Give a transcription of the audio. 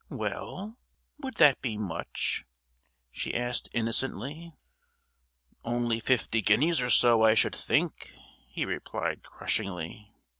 "Well, would that be much?" she asked innocently. "Only fifty guineas or so, I should think," he replied crushingly.